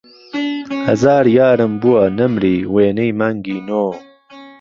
ههزار یارم بووه، نهمری، وێنهی مانگی نۆ